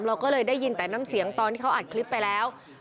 เราก็เลยได้ยินแต่น้ำเสียงตอนที่เขาอัดคลิปไปแล้ว